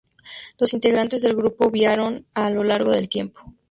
Los integrantes del grupo variaron a lo largo del tiempo.